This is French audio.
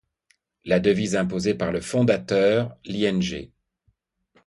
La devise imposée par le fondateur, l'Ing.